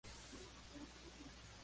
Una de sus abuelas era galesa.